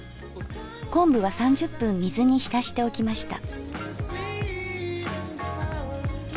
昆布は３０分水に浸しておきました。